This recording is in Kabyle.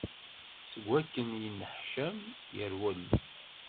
Seg wakken yeneḥcam, yerwel.